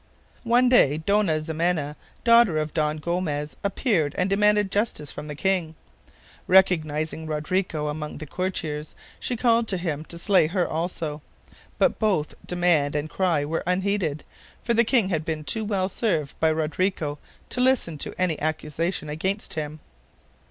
One day Dona Ximena, daughter of Don Gomez, appeared and demanded justice from the king. Recognizing Rodrigo among the courtiers, she called to him to slay her also. But both demand and cry were unheeded, for the king had been too well served by Rodrigo to listen to any accusation against him.